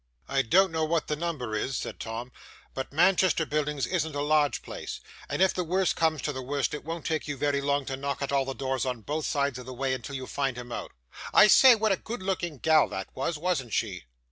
'I don't know what the number is,' said Tom; 'but Manchester Buildings isn't a large place; and if the worst comes to the worst it won't take you very long to knock at all the doors on both sides of the way till you find him out. I say, what a good looking gal that was, wasn't she?